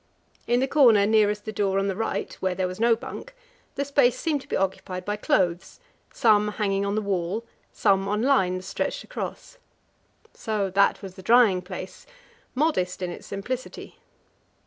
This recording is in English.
In the corner nearest the door on the right, where there was no bunk, the space seem to be occupied by clothes, some hanging on the wall, some on lines stretched across. So that was the drying place, modest in its simplicity.